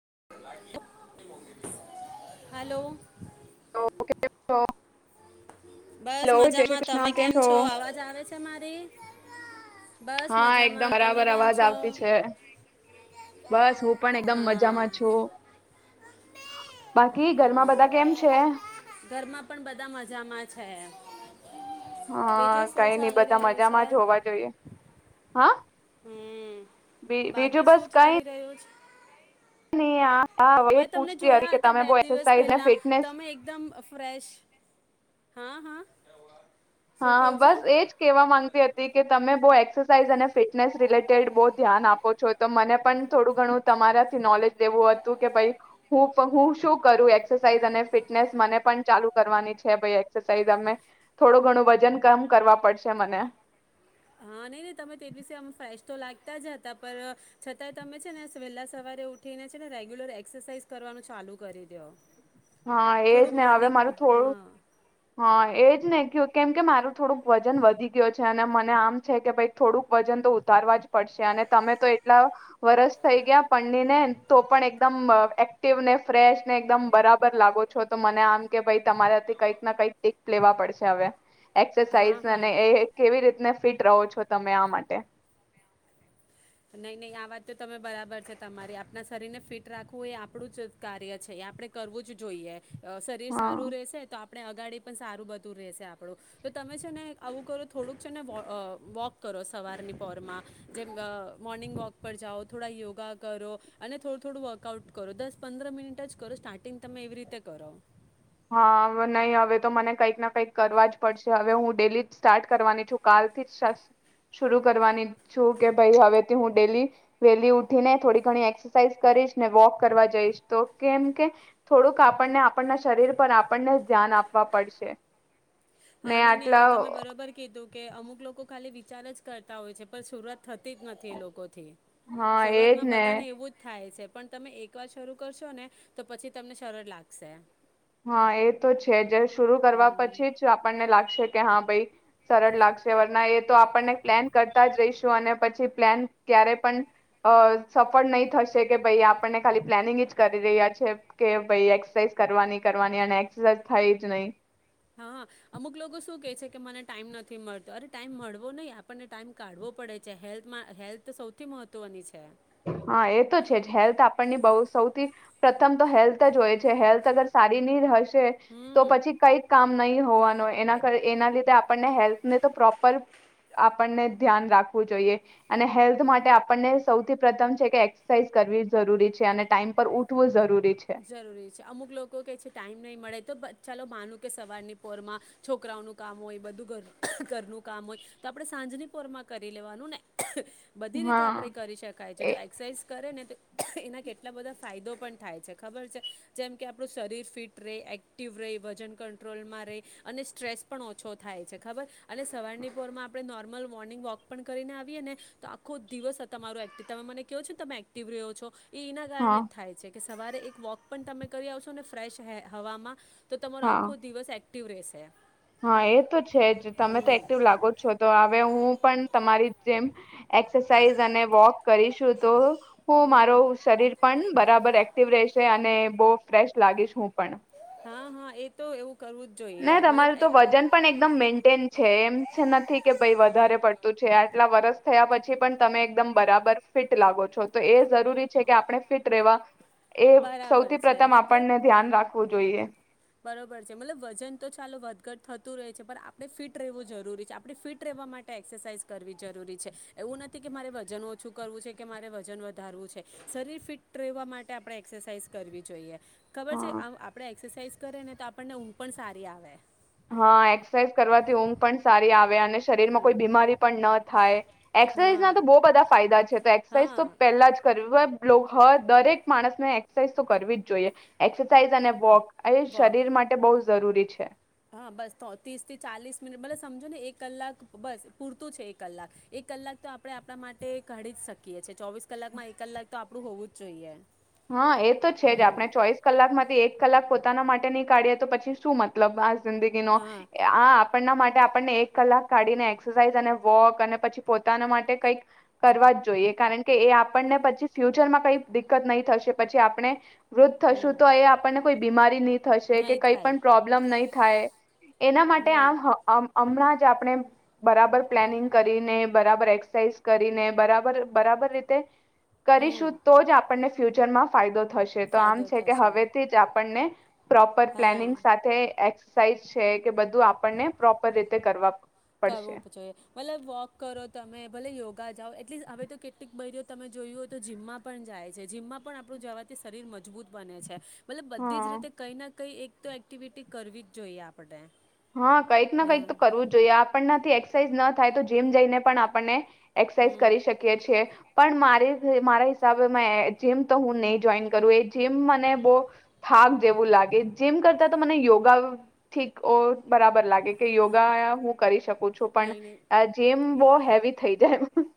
[unintelligible] ઓ તો [unintelligible] બસ મજામાં તમે કેમ છો અવાજ આવે છે મારી? બસ હા એકદમ મજામાં તમે બરાબર કેમ અવાજ છો આવતી છે, બસ હું પણ એકદમ હા મજામાં છું. બાકી ઘરમાં બધા હા. કેમ છે? ઘરમાં પણ બધા મજામાં છે હા બીજું શું કઈ નઈ ચાલી બધા રહ્યું છે મજામાં જ હોવા જોઈએ, હા. હમ, બી- બીજું બાકી બસ શું કઈ ચાલી રહ્યું? [unintelligible] [unintelligible] એ જ મે તમને પૂછતી હતી જોયા કે હતા તમે બે બો દિવસ એક્સરસાઇઝ ને પહેલા, ફિટનેસ તમે એકદમ ફ્રેશ હા હા. શું હા કહો છો બસ એજ કેવા માંગતી હતી કે તમે બહુ એ એક્સરસાઇઝ અને ફિટનેસ રિલેટેડ બહુ ધ્યાન આપો છો તો મને પણ થોડું ઘણું તમારાથી નોલેજ દેવું હતું કે ભાઈ હું હું શું કરું એક્સરસાઇઝ અને ફિટનેસ મને પણ ચાલુ કરવાની છે ભઇ એક્સરસાઇઝ અમે થોડું ઘણું વજન કમ કરવા પડશે મને હા નહી નહી તમે તે દિવસે અમ ફ્રેશ તો લાગતા જ હતા પર છતાંય તમે છે ને વહેલા સવારે ઉઠીને છે ને રેગ્યુલર એક્સરસાઇઝ કરવાનું ચાલુ કરી દો હા એજ થોડું ને હવે મોર્નિંગ મારું હા થોડું હા એજ ને કેમ કે મારું થોડુંક વજન વધી ગયુ છે અને મને આમ છે કે ભ થોડુંક વજન તો ઉતારવા જ પડશે અને તમે તો એટલા વરસ થઈ ગયા પરણી ને તો પણ એકદમ એક્ટિવ ને ફ્રેશ ને એકદમ બરાબર બરાબર લાગો છો તો મને આમ કે ભાઈ તમારાથી કઈક ના કંઈક ટીપ લેવા પડશે હવે હા એક્સરસાઇઝ હા અને એ કેવી રીતને ફિટ રહો છો તમે આમ માટે નહી નહી આ વાત તો તમે બરાબર છે તમારી આપણા શરીર ને ફિટ રાખવું એ આપણું જ કાર્ય છે એ આપણે કરવું જ જોઈએ શરીર હા સારું રહેશે તો આપ આપણે અગાડી પણ સારું બધું રહેશે આપણું તો તમે છે ને આવું કરો થોડુંક છે ને [inaudible] વોક કરો સવારની પોરમાં જેમ અ મોર્નિંગ વોક પર જાઓ થોડા યોગા કરો અને થોડું થોડું વર્કઆઉટ કરો દસ પંદર મિનિટ જ કરો સ્ટાર્ટિંગ તમે એવી રીતે કરો હા નહી હવે તો મને કંઈક ના કંઈક કરવા જ પડશે હવે હું ડેલી સ્ટાર્ટ કરવાની છું કાલ થી જ શર શુરુકરવાની છું કે ભાઈ હવેથી હું ડેલી ડેલી ઉઠીને થોડી ઘણી એક્સરસાઇઝ કરીશ ને વોક કરવા જઈશ તો કેમ કે થોડુંક આપણને આપણા શ શરીર પર આપણને ધ્યાન આપવા પડશે ને હા નહી નહી આટલા આ તમે બરોબર કીધું કે અમુક લોકો ખાલી વિચાર જ કરતા હોય છે પણ શરુઆત થતી જ નથી એ લોકોથી હા એજ શરૂઆતમાં ને બધાને એવું જ થાય છે પણ તમે એક વાર શરૂ કરશો ને તો પછી તમને સરળ લાગશે હા એ તો છે જ થોડુ કરવા પછી જ આપણને લાગશે કે હા ભાઈ સરળ લાગશે વરના એ તો આપણને પ્લાન કરતા જ રહીશું અને પછી પ્લાન ક્યારે પણ સફળ નહી થશે કે ભાઈ આપણને ખાલી પ્લાનિંગ જ કરી રહ્યા છે કે ભાઈ એક્સરસાઇઝ કરવાની કરવાની અને એક્સરસાઝ થઈ જ નહી હા અમુક લોકો શું કે છે કે મને ટાઈમ નથી મળતો અરે ટાઈમ મળવો નહી આપણને ટાઈમ કાઢવો પડે છે હેલ્થમાં હેલ્થ સૌથી મહત્વની છે. હા એ તો છે જ હેલ્થ આપણની બહુ સૌથી પ્રથમ તો હેલ્થ જ હોય છે હેલ્થ અગર સારી નહી રહેશે તો હમ પછી કઈક કામ નહી હોવાનું એના કારણે એના લીધે આપને હેલ્થને તો પ્રોપર આપણને ધ્યાન રાખવું જોઈએ અને હેલ્થ માટે આપણને સૌથી પ્રથમ છે કે એક્સરસાઇઝ કરવી જરૂરી છે અને ટાઈમ પર ઉઠવું જરૂરી છે. જરૂરી છે અમુક લોકો કે છે ટાઈમ નહીં મળે તો પણ ચાલો માનું કે સવારની પોરમાં છોકરાઓનું કામ હોય બધું ઘરનું કામ હોય તો આપણે સાંજની પોરમાં કરી લેવાનું ને બધી રીતે આપડે હા. કરી શકાય છે એ જો એક્સરસાઇઝ કરે ને તો એના કેટલા બધા ફાયદો પણ થાય છે ખબર છે જેમ કે આપણું શરીર ફિટ રહે એક્ટિવ રહે વજન કંટ્રોલમાં રહે અને સ્ટ્રેસ પણ ઓછો થાય છે ખબર અને સવારની પોરમાં આપણે નોર્મલ મોર્નિંગ વોક પણ કરીને આવીએ ને તો આખો દિવસ તમારો એક્ટિવ તમે મને કહવો છો ને તમે એક્ટિવ રહો છો એ એના હા કારણે જ થાય છે કે સવારે એક વોક પણ તમે કરી આવશો ને ફ્રેશ હવામાં તો તમારો હા આખો દિવસ એ એકટીવ રહેશે એમ હા એ તો છે જ તમે તો એક્ટિવ લાગો જ છો તો હવે હું હું પણ તમારી જેમ એક્સરસાઇઝ અને વોક કરીશું તો હું મારો હમ. શરીર પણ બરાબર એક્ટિવ રેશે. એ અને બો ફ્રેશ લાગીશ હું પણ. હા હા એ તો એવું કરવું જ જોઈએ ના યાર તમારું મતલબ તો એ- વજન પણ એકદમ મેન્ટેન છે એમ છે નથી કે ભઈ વ વધારે પડતું છે આટલા વરષ થયા પછી પણ તમે એકદમ બરાબર ફિટ લાગો છો. તો એ જરૂરી છે. કે આપણે ફિટ રેવા એ બરાબર સૌથી છે પ્રથમ મતલબ આપણને ધ્યાન રાખવું જોઈએ. બરોબર મતલબ વજન તો ચાલો વધઘટ થતું રહે છે પણ આપણે ફિટ રહેવું જરૂરી છે આપણે ફિટ રહેવા માટે એક્સરસાઇઝ કરવી જરૂરી છે એવું નથી કે મારે વજન ઓછું કરવું છે કે મારે વજન વધારવું છે શરીર ફિટ રહેવા મા આપણે એક્સરસાઇઝ કરવી જોઈએ. ખબર છે હા આમ આપડે એક્સરસાઇઝ કરે ને તો આપણને ઊંઘ પણ સારી આવે. હા એક્સરસાઇઝ કરવાથી ઊંઘ પણ સારી આવે અ શરીરમાં કોઈ બીમારી પણ ન થાય એક્સરસાઇઝ ના હા તો બો બધા ફાયદા છે. એક્સરસાઇઝ હા તો પેલા જ કરવી - લોક હ દરેક માણસ ને એક્સરસાઇઝ તો કરવી જ જોઈએ. એક્સરસાઇઝ અને વોક એ વોક શરીર માટે બહુ જ જરૂરી છે. હા બસ તો ત્રીસ થી ચાલીસ મિનિટ બલે સમજો ને એક કલાક બસ પૂરતું છે એક કલાક એક કલાક તો આપણે આપણા માટે કાઢી જ શકીએ છીએ ચોવીસ કલાકમાં એક કલાક તો આપણું હોવું જ જોઈએ. હા એ તો છે જ હમ આપણે ચોવીસ કલાક માંથી એક કલાક પો પોતાના માટે નહી કાઢી તો પછી શું મતલબ જિંદગીનો હા આ આપણ માટે આપણને એક કલાક કાઢીને એક્સરસાઇઝ અને વોક અને પછી પોતાના માટે કઈક કરવા જ જોઈએ કારણ કે એ આપણને પછી ફ્યુચરમાં કઈક દિકકત નહી થશે પછી આપણે વૃદ્ધ હમ થશું તો એ આપણને કોઈ બીમારીની થશે કે નહીં કંઈ થાય પણ પ્રોબ્લેમ નઈ. થાય. એના માટે હમ આમ હ હ હમણાંજ આપણે બરાબર પ્લાનિંગ કરીને બરાબર એક્સરસાઇઝ કરીને બરાબર બરાબર રીતે હમ કરીશું તો જ આપણને ફ્યુચરમાં ફાયદો થશે તો આમ ફાયદો છે કે થશે હવેથી જ આપણને પ્રોપર હા પ્લાનિંગ સાથે સાઇઝ છે, કે બધું આપણને પ્રોપર રીતે કરવા પડશે કરવું જોઈએ ભલે વોક કરો તમે ભલે યોગ કા જાઓ એટલી હવે તો કેટલીક બૈરીઓ તમે જોયું હોય તો જીમમાં પણ જાય છે. જીમમાં પણ આપણું જવાથી શરીર મજબૂત બને છે. મતલબ બધી જ હા રીતે કઈ ના કંઈ એક તો એક્ટિવિટી કરવી જ જોઈએ આપણે. હા કંઈક ના કંઈક હા તો કરવું જોઈએ આપ આપણથી એક્સરસાઇઝ ના થાય તો જીમ જઈને પણ આપણને એક્સરસાઇઝ હમ કરી શકીએ છીએ. પણ મા મારા હિસાબે જીમ તો હું નહી જોઈન કરું, એ જીમ મને બહુ થાક જેવું લાગે જીમ કરતા તો મને યોગા થી બરાબર લાગે કે યોગા હું કરી શકું. પૂછું પણ નહીં નહીં જીમ બહ હેવી થઈ જાય એમ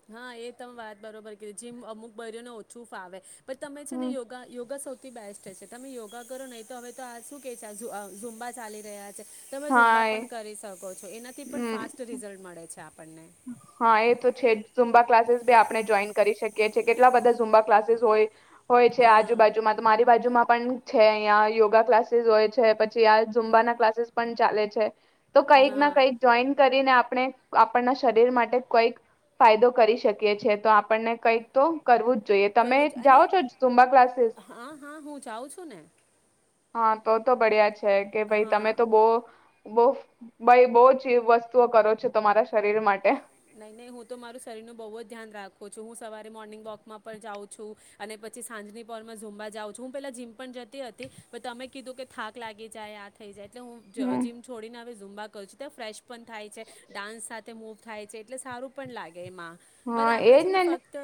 કે જેમ અમુક બૈરાઓ ને ઓછું ફાવે પણ તમે છે ને હમ, યોગા યોગા સૌથી બેસ્ટ તમે યોગા કરો નહી તો હવે તો આ શું કે છે. ઝુંબા ચાલી રહ્યા છે. તમે હા ઝુંમબા એ પણ કરી શકો છો. એનાથી પણ હમ ફાસ રિઝલ્ટ મળે છે, આપણને હા, એતો છે જ ઝુંમબા ક્લાસીસ બી આપડે જોઈન કરી શકીએ છે, કેટલા બધા ઝુંમબા ક્લાસીસ હોય હોય છે, હા આજુબાજુમાં તો મારી બાજુમાં પણ છે અહીંયા યોગા ક્લાસીસ હોય છે, પછી આ ઝુંમબાના ક્લાસીસ પણ ચાલે છે. તો કંઈક ના હા કંઈક જોઈન કરીને આપ આપણે આપ આપના શરીર માટે કઈક ફાયદો કરી શકીએ છે, તો આપણને કંઈક તો કરવું જ જોઈએ તમે કરું જ અને જાઓ છો ઝુંબા ક્લાસીસ હા, હા, હું જાઉં છું ને. હા, તો તો બળિયા છે, છે કે ભાઈ તમે હા તો બો બો ભાઈ બો જ એ વસ્તુઓ કરો છો તમારા શરીર શરીર માટે નઈ, નઈ હું તો મારું શરીરનું બોજ ધ્યાન રાખું છું. હું સવારે મોર્નિંગ વોકમાં પણ જાઉં છું અને પછી સાંજની પોલમાં ઝમવા જાઉં છું. હું પેલા જીમ પણ જતી હતી, પણ તમે કીધું કે થાક લાગી જાય, આ થઈ જાય એટલે હું હમ જીમ છોડીને આવે ઝુંબા [unintelligible] ફ્રેશ પણ થાય છે, ડાન્સ સાથે મૂવ થાય છે એટલે સારું પણ લાગે, એમાં, પર હા આપડે એજ છે ને ફક્ત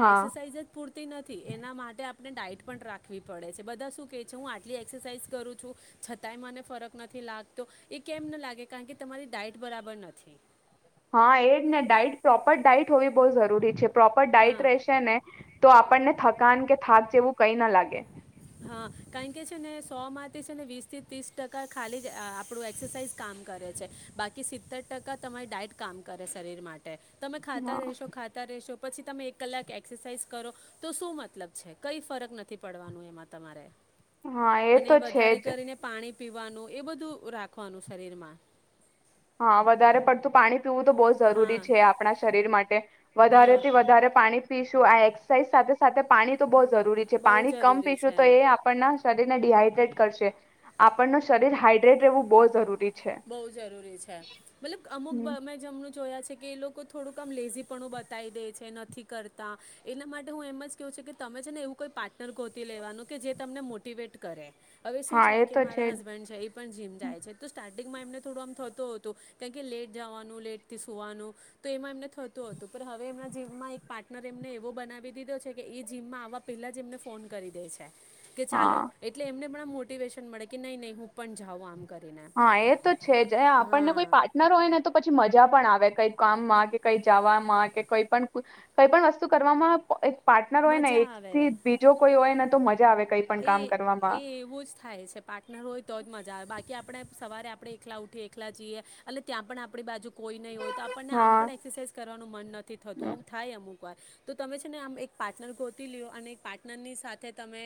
હા એક્સરસાઇઝ જ પૂરતી નથી એના માટે આપ આપને ડાઇટ પણ રાખવી પડે છે, બધા શું કહે છે હું આટલી એક્સરસાઇઝ કરું છું, છતાંય મને ફરક નથી લાગતો એ કેમ ન લાગે, કારણકે તમારી ડાઇટ બરાબર નથી. હા એ જ ને ડાઇટ પ્રોપર ડાઈટ હોવી બહુ ઝરૂરી છે. પ્રોપર ડાઈટ હા રહેશે ને તો આપણને થકાન કે થાક એવું કઈ ના લાગે. હા, કારણ કે છે ને સોમાંથી છે ને વીસથી ત્રીસ ટકા ખાલી જ આપણું એક્સરસાઇઝ કામ કરે છે, બાકી સિત્તેર ટકા તમારી ડાયટ કામ કરે શરીર માટ ટે તમે ખાતા હા રહેશો ખાતા રહેશો પછી તમે એક કલાક એક્સરસાઇઝ કરો તો શું મતલબ છે? કઈ ફરક નથી પડવાનું એમાં. તમારે. હા એ અને તો છે વધારે જ. કરીને પાણી પીવાનું એ બધું રાખવાનું શરીરમાં. હા વધારે પડતું પાણી પીવું તો બવ જરૂરી હા છે આપણા શરીર માટે. વધારે હા થી વધારે પાણી પીશું આ એક્સરસાઇઝ સાથે સાથે પાણી તો બહુ જરૂરી છે. બહુ પાણી કમ જરૂરી છે પીશું તો એમ એ આપણને શરીર ને ડિહાઈડ્રેટ કરશે આપણ ને શરીર હાઈડ્રેટ રહેવું બહુ જરૂરી છે બેય જરૂ જરૂરી છે. મતલબ અમુક હમ. બ મે જમરૂક જોયા છે કે એ લોકો થોડુંક આમ લેઝીપણું બતાઈ દે છે નથી કરતા, એના માટે હું એમ જ કેઉ છું કે તમે છે ને એવું કોઈ પાર્ટનર ગોતી લેવાનું કે જે તમને મોટિવેટ કરે. અવે શું હા છેય એ કે તો છે મારા જ હસબન્ડ છે ઈ પણ જીમ જાય છે તો સ્ટાર્ટિંગમાં એમને થોડું આમ થતું અતું કાણ કે લેટ જવાનું લેટથી સુવાનું તો એમાં એમને થતું અતું, પણ હવે એમના જીમમાં એક પાર્ટનર એમને એવો બનાવી દીધો છે કે એ જીમમાં આવવા પહેલા જ એમને ફોન કરી દે છે. કે ચાલો હા એટલે એમને પણ આમ મોટીવેશન મળે કે નઈ નઈ હું પણ જાઉં આમ કરીને. હા એ તો છે જ એ આપણને કોઈ હા પાર્ટનર હોય ને તો પછી મજા પણ આવે. કઈ કામમાં કે કઈ જાવામાં કે કંઈ પણ કંઈ પણ વસ્તુ કરવામાં એક પાર્ટનર હોય ને મજા એજ આવે થી જ બીજો કોઈ હોય ને તો મજા આવે. કઈ પણ કામ એ એ કરવામાં એવું જ થાય છે પાર્ટનર હોય તો જ મજા આવે બાકી આપણે સવારે આપણે એકલા ઉઠીએ એકલા જીએ અને ત્યાં પણ આપડી બાજુ કોઈ નઈ હોય તો આપણને આમ હા પણ એક્સરસાઇઝ કરવાનું મન નથી થતું હમ, આવું થાય અમુક વાર, તો તમે છે ને આમ એક પાર્ટનર ગોતી લ્યો અને એ પાર્ટનરની સાથે તમે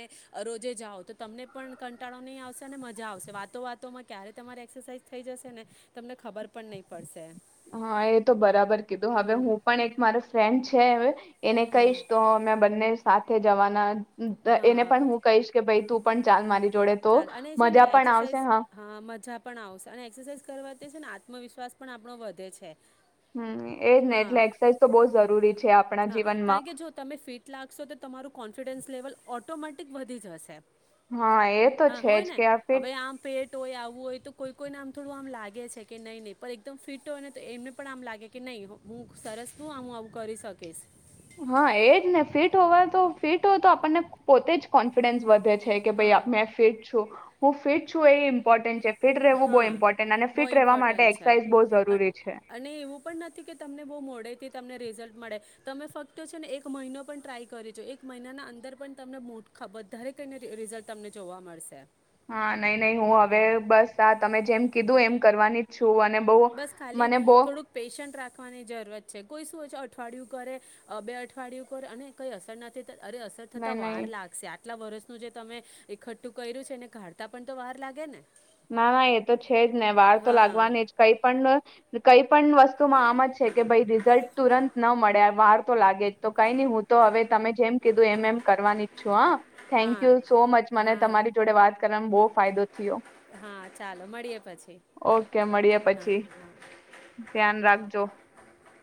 રોજે જાઓ તો તમને પણ કંટાળો નઈ આવશે અને મજા આવશે વાતો વાતોમાં ક્યારે તમારી એક્સરસાઇઝ થઈ જશે ને તમને ખબર પણ નઈ પડશે. હા એ તો બરાબર કીધું હવે હમ હું પણ એક મારો ફ્રેન્ડ છે અવે એને હમ કઈશ તો અમે બંને સાથે જવાના એને હા પણ હું કહીશ કે ભાઈ તું પણ ચાલ મારી જોડે તો ચાલ અને છે ને મજા પણ આવશે એક્સરસાઇઝ હા મજા પણ આવશે અને એક્સરસાઇઝ કરવા તે છે ને આત્મવિશ્વાસ પણ આપણો વધે છે. હમ એજ ને હા એટલે એક્સરસાઇઝ તો બહુ જરૂરી છે આપ હા કારણ કે જો તમે ફિટ લાગશો તો તમારું કો કોન્ફિડન્સ લેવલ ઓટોમેટિક વધી જશે. હા એ તો છે જ કે આપે ટ હોય આવું હોય તો કોઈ કોઈને આમ થોડું આમ લાગે છે કે નહીં નહીં એકદમ ફિટ હોય ને તો એમને પણ આમ લાગે કે નહીં હું સરસ નું આમું આવું કરી શક ઓ કેસ હા એજ ને ફિટ હોવા તો ફિટ હોય તો આપણને પોતે જ કોન્ફિડન્સ વધે છે કે હા ભાઈ મેં ફેટ છું. હું ફિટ છું એ ઇમ્પર્ટન્ટ ચેપ્ટ હા બહુ ઇમ્પોર્ટન્ટ છે એક્સરસાઇઝ બહુ જરૂરી છે અને એવું પણ નથી કે તમને બહુ મોડેથી તમને રિઝલ્ટ મળે તમે ફક્ત છે ને એક મહિનો પણ ટ્રાય કરી છો એક મહિનાના અંદર પણ તમને મોટ ખા બારે કને રિઝલ્ટ તમને જોવા મળશે. હા નઈ નહી હું હવે બસ તમે જેમ કીધું એમ કરવાની છું અને બહુ બસ ખાલી મને બહુ થોડુંક પેશન્ટ રાખ વાની જરૂરત છે કોઈ શુંય અઠવાડિયું કરે બે અઠવાડિયું કરે અને કઈ અસર નથી અરે અસર થતા નહી વાર નહી લાગશે આ કેટલા વર્ષનું જે તમે ઈઠ્ઠું કર્યું છે એને કાઢતા પણ તો વાર લાગે ને ના ના એ તો છે જ ને વાર તો હા લાગવાની જ કઈ પણ કઈ પણ વસ્તુમાં આમ જ છે કે ભાઈ રિઝલ્ટ તુરંત ન મળ્યા વાર તો લાગે જ તો કઈ નહી હું તો હવે તમે જેમ કીધું એમ એમ કરવાની ઈચ છું હા થેન્ક યુ સો મચ હા મને તમારી હા જોડે વાત કરવાનો બહુ ફાયદો થયો હા ચાલો મળીએે પછી ઓકે મળીએ હા પછી હા. ધ્યાન [inaudible]